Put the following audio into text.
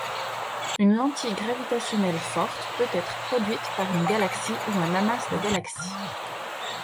Une lentille gravitationnelle forte peut-être produite par une galaxie ou un amas de galaxies.